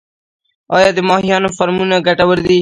آیا د ماهیانو فارمونه ګټور دي؟